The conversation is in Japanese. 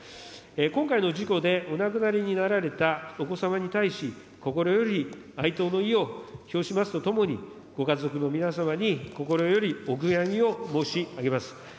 今回の事故で、お亡くなりになられたお子様に対し、心より哀悼の意を表しますとともに、ご家族の皆様に心よりお悔やみを申し上げます。